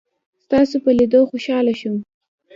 ستاسو په لیدلو خوشحاله شوم.